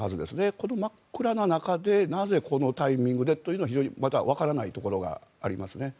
これ、真っ暗な中でなぜこのタイミングでというのは非常にわからないところがありますね。